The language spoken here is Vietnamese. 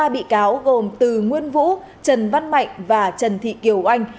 ba bị cáo gồm từ nguyên vũ trần văn mạnh và trần thị kiều anh